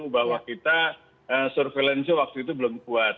bahwa kita surveillance nya waktu itu belum kuat